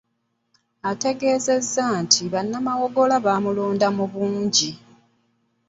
Ategeezezza nti bannamawogola baamulonda mu bungi.